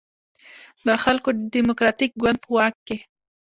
د خلکو دیموکراتیک ګوند په واک کې.